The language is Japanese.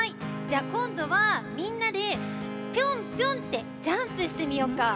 じゃあこんどはみんなでピョンピョンってジャンプしてみようか。